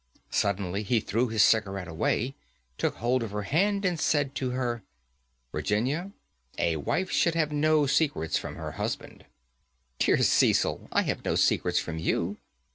Suddenly he threw his cigarette away, took hold of her hand, and said to her, "Virginia, a wife should have no secrets from her husband." "Dear Cecil! I have no secrets from you."